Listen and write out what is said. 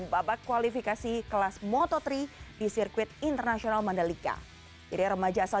babak kualifikasi kelas moto tiga di sirkuit internasional mandalika ide remaja asal